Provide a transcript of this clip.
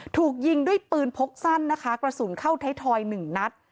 ถูกยิงด้วยปืนพกสั้นนะคะกระสุนเข้าไทยทอยหนึ่งนัด